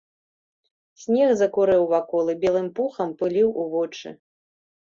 Снег закурэў вакол і белым пухам пыліў у вочы.